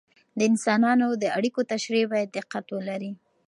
د انسانانو د اړیکو تشریح باید دقت ولري.